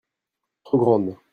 trop grande.